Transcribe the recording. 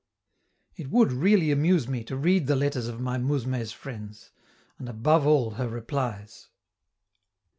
It would really amuse me to read the letters of my mousme's friends and above all her replies!